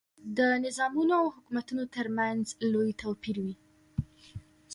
د نظامونو او حکومتونو ترمنځ لوی توپیر وي.